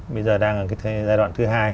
bây giờ đang ở cái giai đoạn thứ hai